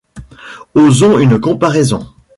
Osons une comparaison.